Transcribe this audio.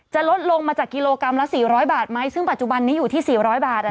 จะลดลงมาจากกิโลกรัมละ๔๐๐บาทไหมซึ่งปัจจุบันนี้อยู่ที่๔๐๐บาท